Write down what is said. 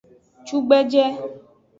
Cugbeje.